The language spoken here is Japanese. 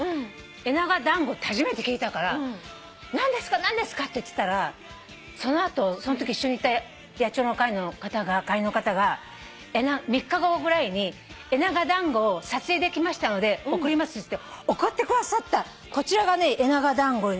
エナガ団子って初めて聞いたから何ですか？って言ってたらその後そのとき一緒にいた野鳥の会の方が３日後ぐらいに「エナガ団子を撮影できましたので送ります」って送ってくださったこちらがエナガ団子の。